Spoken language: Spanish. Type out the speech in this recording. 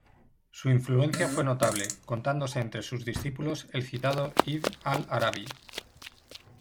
Su influencia fue notable, contándose entre sus discípulos el citado Ibn al-Arabi.